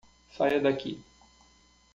Saia daqui.